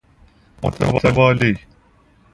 متوالی